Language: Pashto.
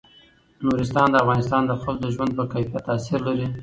نورستان د افغانستان د خلکو د ژوند په کیفیت تاثیر لري.